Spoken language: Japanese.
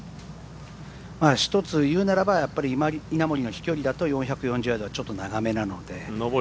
１つ言うならば稲森の飛距離だと４４０ヤードはちょっと長めなので。